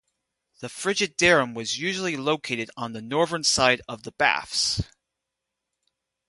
The frigidarium was usually located on the northern side of the baths.